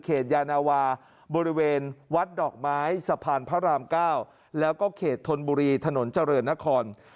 ยานาวาบริเวณวัดดอกไม้สะพานพระราม๙แล้วก็เขตธนบุรีถนนเจริญนคร